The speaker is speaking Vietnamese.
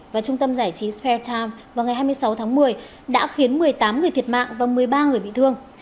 và trung tâm giải trí spare time vào ngày hai mươi sáu tháng một mươi đã khiến một mươi tám người thiệt mạng và một mươi ba người bị thương